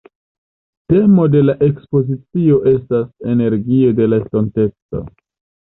Temo de la ekspozicio estas «Energio de la Estonteco».